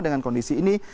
dengan kondisi ini